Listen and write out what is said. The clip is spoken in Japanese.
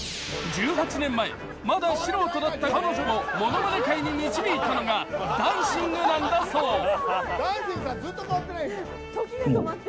１８年前まだ素人だった彼女をものまね界に導いたのがダンシングなんだそう。